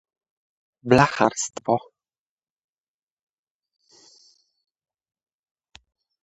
Musimy wspierać badania i rozwój w obszarze metod połowowych